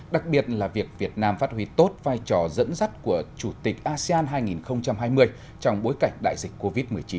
đặc biệt là việc việt nam phát huy tốt vai trò dẫn dắt của chủ tịch asean hai nghìn hai mươi trong bối cảnh đại dịch covid một mươi chín